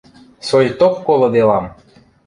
Сойток колыделам!